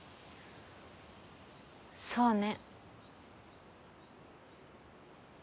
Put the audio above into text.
そうね。